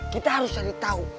kita harus cari tahu